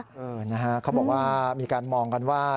เออนะฮะเขาบอกว่ามีการมองกันว่า